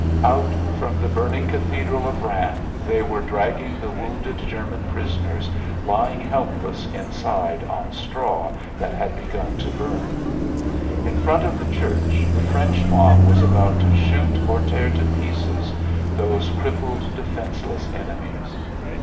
Out from the burning cathedral of Rheims they were dragging the wounded German prisoners lying helpless inside on straw that had begun to burn. In front of the church the French mob was about to shoot or tear to pieces those crippled, defenseless enemies.